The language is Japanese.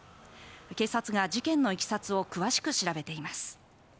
警察が事件のいきさつを詳しく調べています。